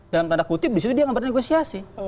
dengan tanda kutip di situ dia nggak bernegosiasi